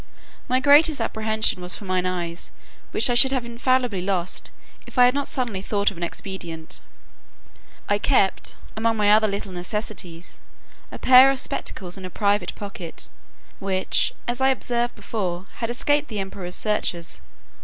My greatest apprehension was for my eyes, which I should have infallibly lost, if I had not suddenly thought of an expedient. I kept, among other little necessaries, a pair of spectacles in a private pocket, which, as I observed before, had escaped the emperor's searchers.